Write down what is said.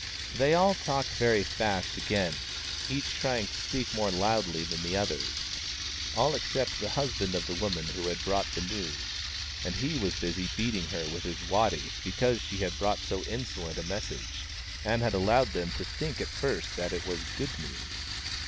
They all talked very fast again, each trying to speak more loudly than the others, all except the husband of the woman who had brought the news, and he was busy beating her with his waddy because she had brought so 6o WAUNG, THE CROW insolent a message, and had allowed them to think at first that it was good news.